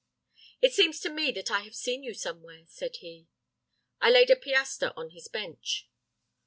"'It seems to me that I have seen you somewhere,' said he. "I laid a piastre on his bench.